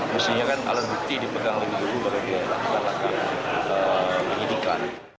mesti kan alat bukti dipegang lebih dulu bagi yang akan lagi mengidikan